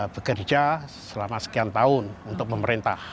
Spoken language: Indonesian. bekerja selama sekian tahun untuk pemerintah